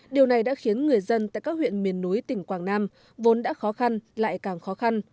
điều này đã khiến người dân tại các huyện miền núi tỉnh quảng nam vốn đã khó khăn lại càng khó khăn